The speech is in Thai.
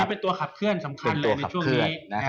เป็นตัวขับเคลื่อนสำคัญเลยในช่วงนี้